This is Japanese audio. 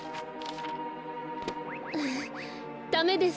ダメです。